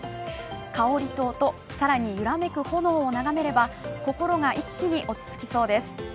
香りと音、更に揺らめく炎を眺めれば心が一気に落ち着きそうです。